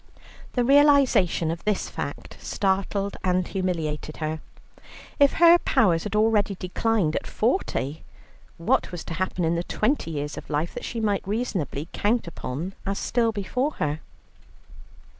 The realization of this fact startled and humiliated her. If her powers had already declined at forty, what was to happen in the twenty years of life that she might reasonably count upon as still before her?